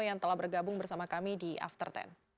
yang telah bergabung bersama kami di after sepuluh